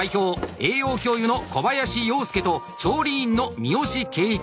栄養教諭の小林洋介と調理員の三好景一。